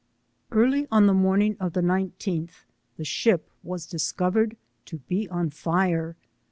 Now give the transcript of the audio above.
'*^^:. Early on the morning of the 19th, the ship was discovered to be on fire.